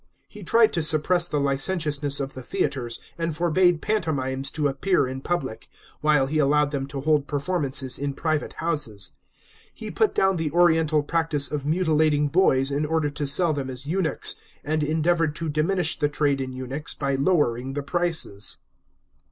He tried to suppress the licentiousness of the theatres, and forbade pantomimes to appear in public, while he allowed them to hold performances in private houses. He put down the oriental practice of mutilating boys in order to sell them as eunuchs, and endeavoured to dimmish the trade in eunuchs by lowering the prices.